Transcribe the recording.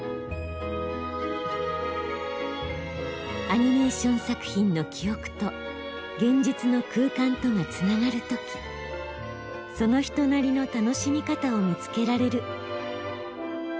アニメーション作品の記憶と現実の空間とがつながる時その人なりの楽しみ方を見つけられる。